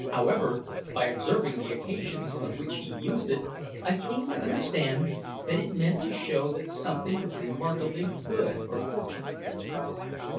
However, by observing the occasions on which he used it, I came to understand that it meant to show that something was remarkably good or fortunate.